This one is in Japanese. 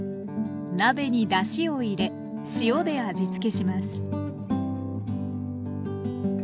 鍋にだしを入れ塩で味付けします